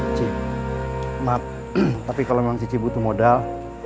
cici maaf tapi kalau memang cici butuh modal